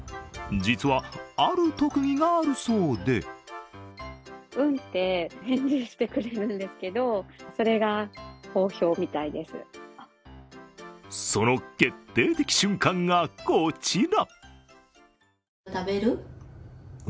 実は、ある特技があるそうでその決定的瞬間がこちら。